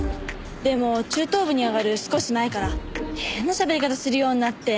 でも中等部に上がる少し前から変なしゃべり方するようになって。